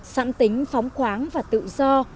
sẵn tính phóng khoáng và tự do